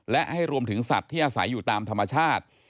และให้รวมถึงสัตว์ที่อาศัยอยู่ตามธรรมชาติ